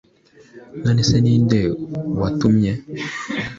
None se ni nde watumye‽